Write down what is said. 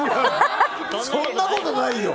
そんなことないよ！